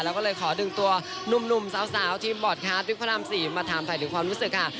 แล้วก็เลยขอดึงตัวหนุ่มสาวทีมบอร์ดคาร์ดวิกพระราม๔มาถามถ่ายถึงความรู้สึกค่ะ